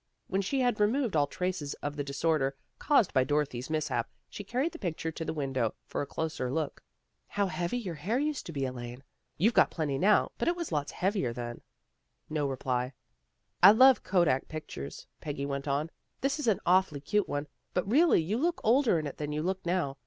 When she had removed all traces of the disorder caused by Dorothy's mishap she carried the picture to the window, for a closer look. " How heavy your hair used to be, Elaine. You've got plenty now, but it was lots heavier then." No reply. " I love kodak pictures," Peggy went on. " This is an awfully cute one, but really you look older in it than you look now.